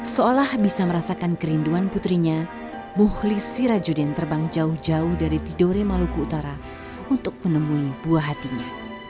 seolah bisa merasakan kerinduan putrinya muhlis sirajudin terbang jauh jauh dari tidore maluku utara untuk menemui buah hatinya